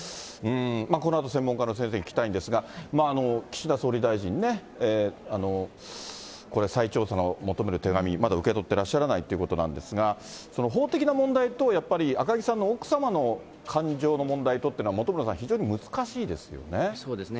このあと専門家の先生に聞きたいんですが、岸田総理大臣ね、これ、再調査を求める手紙、まだ受け取ってらっしゃらないということなんですが、法的な問題とやっぱり、赤木さんの奥様の感情の問題とってのは、本村さん、そうですね。